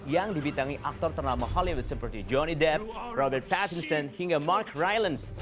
yang dibitangi aktor ternama hollywood sympathy johnny depp robert pattinson hingga mark rylance